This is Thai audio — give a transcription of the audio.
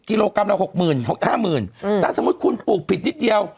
กิโลกรัมเราหกหมื่นห้าหมื่นเอืมถ้าสมมติคุณปลูกผิดนิดเดียว